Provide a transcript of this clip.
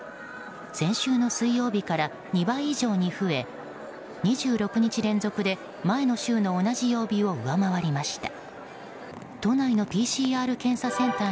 先週の水曜日から２倍以上に増え２６日連続で前の週の同じ曜日を上回りました。